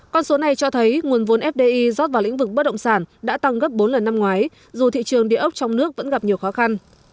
con số này cho thấy nguồn vốn fdi rót vào lĩnh vực bất động sản đã tăng gấp bốn lần năm ngoái dù thị trường đề ốc trong nước vẫn gặp nhiều khó khăn